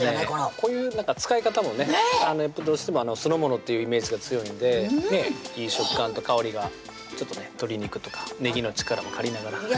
このこういう使い方もねどうしても酢の物というイメージが強いんでいい食感と香りが鶏肉とかねぎの力も借りながら